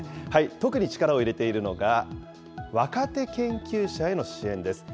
特に力を入れているのが、若手研究者への支援です。